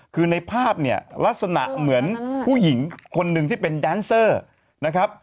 คือในภาพเนี่ยลักษณะเหมือนผู้หญิงคนหนึ่งที่เป็นแดนเซอร์นะครับ